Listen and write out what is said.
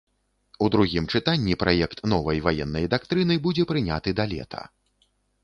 У другім чытанні праект новай ваеннай дактрыны будзе прыняты да лета.